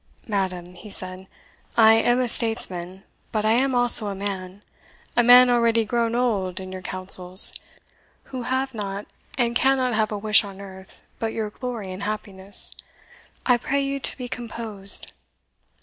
"Madam," he said, "I am a statesman, but I am also a man a man already grown old in your councils who have not and cannot have a wish on earth but your glory and happiness; I pray you to be composed."